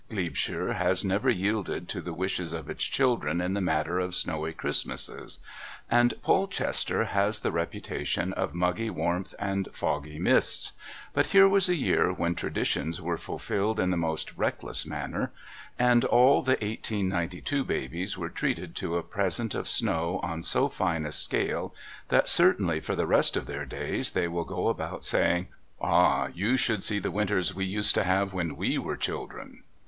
Glebeshire has never yielded to the wishes of its children in the matter of snowy Christmases, and Polchester has the reputation of muggy warmth and foggy mists, but here was a year when traditions were fulfilled in the most reckless manner, and all the 1892 babies were treated to a present of snow on so fine a scale that certainly for the rest of their days they will go about saying: "Ah, you should see the winters we used to have when we were children..."